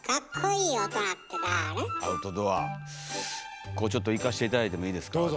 ここちょっといかして頂いてもいいですか？